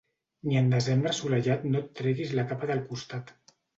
Ni en desembre assolellat no et treguis la capa del costat.